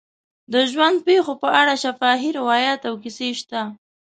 د ژوند پېښو په اړه شفاهي روایات او کیسې شته.